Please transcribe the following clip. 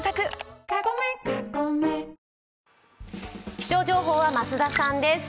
気象情報は増田さんです。